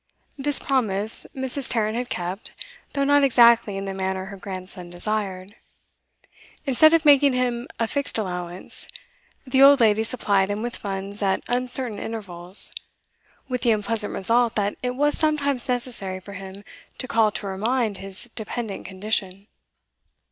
This promise Mrs. Tarrant had kept, though not exactly in the manner her grandson desired. Instead of making him a fixed allowance, the old lady supplied him with funds at uncertain intervals; with the unpleasant result that it was sometimes necessary for him to call to her mind his dependent condition.